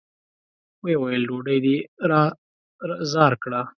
ويې ويل: ډوډۍ دې را زار کړه!